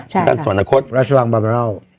ใช่ครับราชวังบรรเมอร่าล